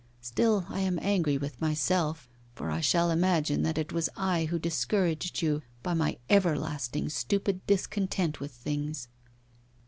Still I am angry with myself, for I shall imagine that it was I who discouraged you by my everlasting stupid discontent with things.